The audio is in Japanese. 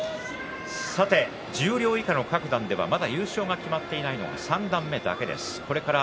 十両以下の各段で優勝が決まっていないのは三段目だけです。